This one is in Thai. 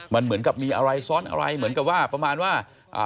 มันเหมือนกับมีอะไรซ้อนอะไรเหมือนกับว่าประมาณว่าอ่า